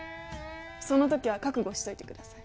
そのときは覚悟しといてください。